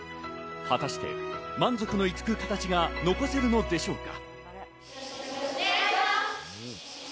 果たして、満足のいく形が残せるのでしょうか？